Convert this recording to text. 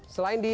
selain itu pak